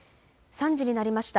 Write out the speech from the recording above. ３時になりました。